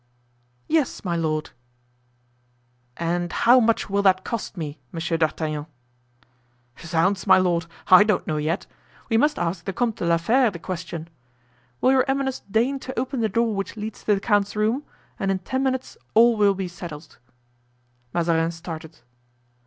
"Yes, my lord." "And how much will that cost me, Monsieur d'Artagnan?" "Zounds, my lord, I don't know yet. We must ask the Comte de la Fere the question. Will your eminence deign to open the door which leads to the count's room, and in ten minutes all will be settled." Mazarin started.